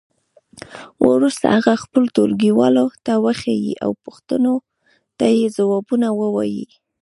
وروسته هغه خپلو ټولګیوالو ته وښیئ او پوښتنو ته یې ځوابونه ووایئ.